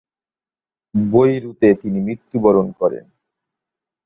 বৈরুতে তিনি মৃত্যু বরণ করেন।